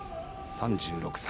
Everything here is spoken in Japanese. ３６歳。